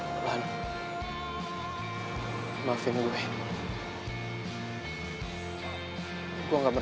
buat gantiin posisi lo ke gue